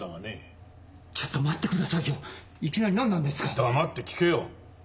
黙って聞けよ。